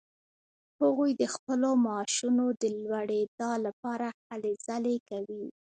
هغوی د خپلو معاشونو د لوړیدا لپاره هلې ځلې کوي.